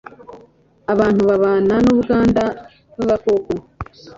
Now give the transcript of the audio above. abantu babana n'ubwanda bw'agakoko